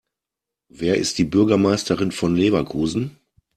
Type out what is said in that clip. Wer ist die Bürgermeisterin von Leverkusen?